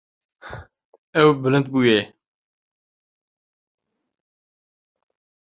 Ew bilind bûye.